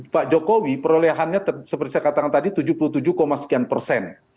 dua ribu sembilan belas pak jokowi perolehannya seperti saya katakan tadi tujuh puluh tujuh sekian persen